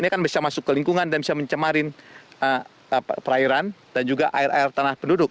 ini kan bisa masuk ke lingkungan dan bisa mencemarin perairan dan juga air air tanah penduduk